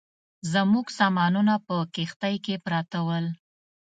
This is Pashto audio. زموږ سامانونه په کښتۍ کې پراته ول.